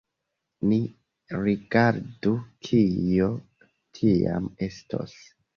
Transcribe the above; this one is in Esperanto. Ni rigardu, kio tiam estos.